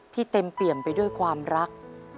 เต็มเปี่ยมไปด้วยความรัก